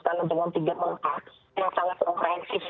karena dengan tiga mengkat yang sangat komprehensif